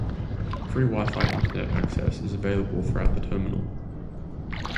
Free Wi-Fi internet access is available throughout the terminal.